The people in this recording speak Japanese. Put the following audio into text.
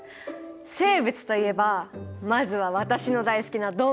生物といえばまずは私の大好きな動物！